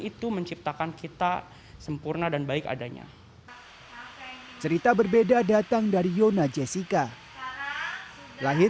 itu menciptakan kita sempurna dan baik adanya cerita berbeda datang dari yona jessica lahir